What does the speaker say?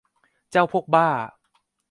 เจ้าพวกบ้า